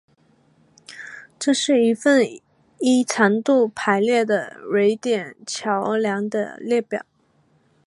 这是一份依长度排列的瑞典桥梁的列表